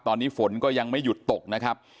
ตอนนี้ฝนก็ยังไม่หยุดตกนะครับ